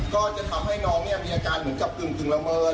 ก็จะทำให้น้องเนี่ยมีอาการเหมือนกับกึ่งละเมิน